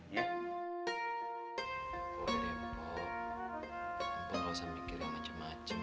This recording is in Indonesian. bapak nggak usah mikirin macem macem